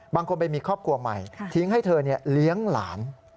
บางคนไปมีครอบครัวใหม่ทิ้งให้เธอเลี้ยงหลาน